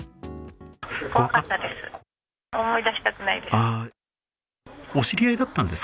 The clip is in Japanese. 怖かったです。